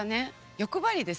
欲張りですよね。